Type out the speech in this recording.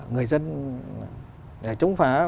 người dân chống phá